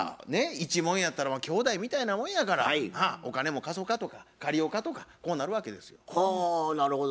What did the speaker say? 一門やったら兄弟みたいなもんやからお金も貸そかと借りようかとかこうなるわけですよ。はあなるほど。